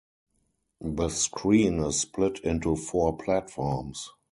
The screen is split into four platforms.